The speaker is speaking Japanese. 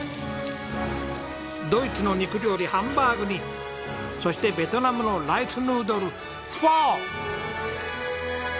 ドイツの肉料理ハンバーグにそしてベトナムのライスヌードルフォー。